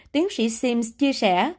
tiến sĩ sims chia sẻ